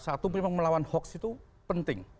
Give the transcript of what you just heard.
satu memang melawan hoax itu penting